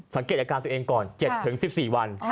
สังเกตอาการตัวเองก่อน๗๑๔วัน